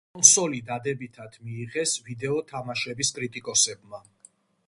კონსოლი დადებითად მიიღეს ვიდეო თამაშების კრიტიკოსებმა.